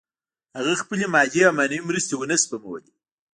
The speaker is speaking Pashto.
هغه خپلې مادي او معنوي مرستې ونه سپمولې